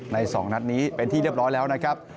๒นัดนี้เป็นที่เรียบร้อยแล้วนะครับ